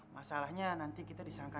masalahnya nanti kita disangka nepotisme